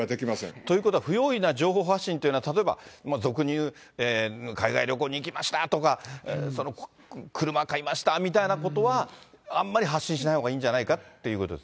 ということは不用意な情報発信というのは、例えば、俗にいう、海外旅行に行きましたとか、車買いましたみたいなことは、あんまり発信しないほうがいいんじ